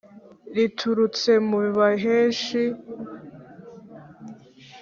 Riturutse mu baheshi